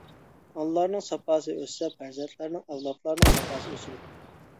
ئانىلارنىڭ ساپاسى ئۆسسە، پەرزەنتلەرنىڭ، ئەۋلادلارنىڭ ساپاسى ئۆسىدۇ.